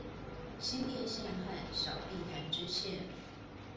新店線和小碧潭支線